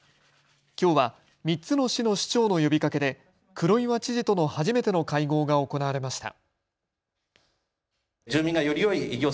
きょうは３つの市の市長の呼びかけで黒岩知事との初めての会合が行われました。